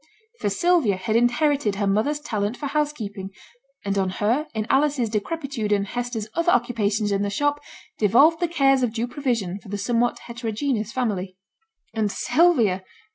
For Sylvia had inherited her mother's talent for housekeeping, and on her, in Alice's decrepitude and Hester's other occupations in the shop, devolved the cares of due provision for the somewhat heterogeneous family. And Sylvia!